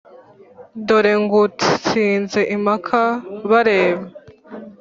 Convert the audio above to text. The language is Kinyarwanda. Dore ngutsinze impaka bareba,